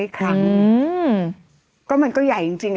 ครั้งก็มันก็ใหญ่จริง